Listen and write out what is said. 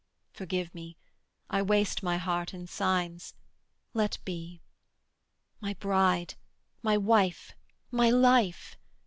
Forgive me, I waste my heart in signs: let be. My bride, My wife, my life.